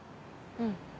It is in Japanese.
うん。